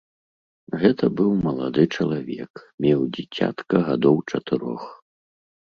Гэта быў малады чалавек, меў дзіцятка гадоў чатырох.